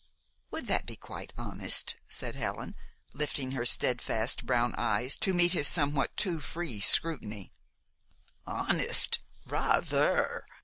"Would that be quite honest?" said Helen, lifting her steadfast brown eyes to meet his somewhat too free scrutiny. "Honest? Rather!